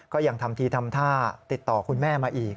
ก็ยังทำทีทำท่าติดต่อคุณแม่มาอีก